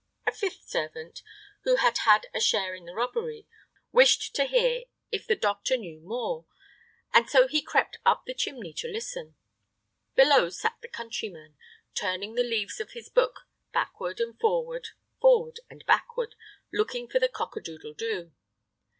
A fifth servant, who had had a share in the robbery, wished to hear if the doctor knew more, and so he crept up the chimney to listen. Below sat the countryman, turning the leaves of his book backward and forward, forward and backward, looking for the cock a doodle doo.